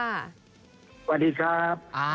สวัสดีครับ